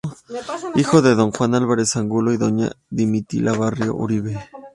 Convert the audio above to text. Hijo de don Juan Álvarez Angulo y doña Domitila Barría Uribe.